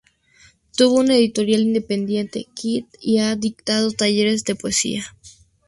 Tuvo una editorial independiente, Quid y ha dictado talleres de poesía.